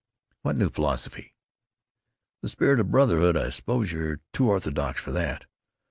"What new philosophy?" "The spirit of brotherhood. I suppose you're too orthodox for that!"